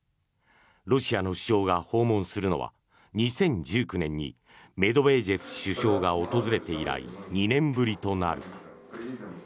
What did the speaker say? ロシアの首相が訪問するのは２０１９年にメドベージェフ首相が訪れて以来２年ぶりとなる。